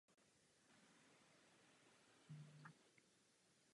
Hradiště zaujalo vrcholovou plošinu ostrožny chráněné na jihu a na západě strmými svahy.